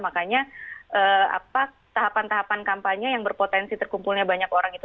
makanya tahapan tahapan kampanye yang berpotensi terkumpulnya banyak orang itu